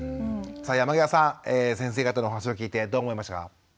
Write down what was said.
さあ山際さん先生方のお話を聞いてどう思いましたか？